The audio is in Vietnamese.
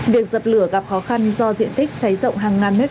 việc dập lửa gặp khó khăn do diện tích cháy rộng hàng ngàn mét